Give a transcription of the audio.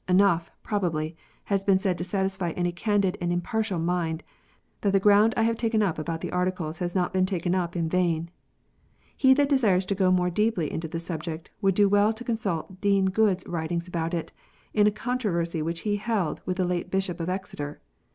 Enough, probably, has been said to satisfy any candid and impartial mind that the ground I have taken up about the Articles has not been taken up in vain. He that desires to go more deeply into the subject would do well to con sult Dean Goode s writings about it, in a controversy which he held with the late Bishop of Exeter.